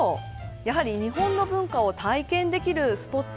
やはり日本の文化を体験できるスポット。